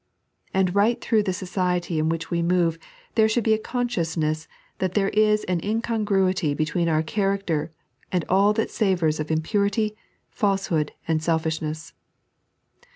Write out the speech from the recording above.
And right through the society in which we move there should he a consciousness that there is an incongruity between our character and all that savours of impurilr)r, falsehood, or selfishness.